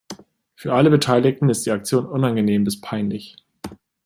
Für alle Beteiligten ist die Aktion unangenehm bis peinlich.